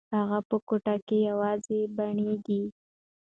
هغه په کوټه کې یوازې بڼیږي.